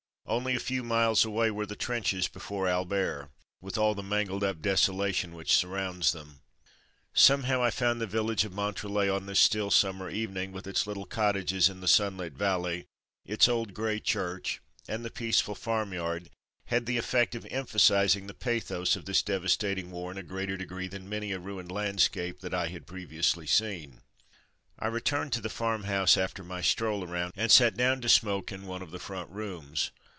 Only a few miles away were the trenches before Albert, with all the mangled up desolation which surrounds them. 100 From Mud to Mufti Somehow I found that the village of Montrelet, on this still summer evening, with its little cottages in the sunlit valley, its old grey church, and the peaceful farm yard had the effect of emphasizing the pathos of this devastating war in a greater degree than many a ruined landscape that I had previously seen. I returned to the farm house after my stroll around, and sat down to smoke in one of the front rooms.